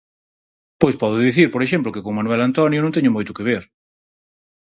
Pois podo dicir, por exemplo, que con Manuel Antonio non teño moito que ver.